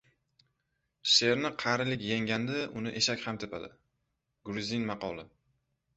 Sherni qarilik yengganda uni eshak ham tepadi. Gruzin maqoli